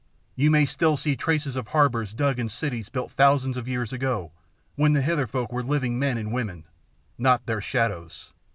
You may still see traces of harbours dug and cities built thousands of years ago, when the Hither folk were living men and women not their shadows.